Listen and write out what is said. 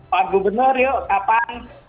pak gubernur yuk kapan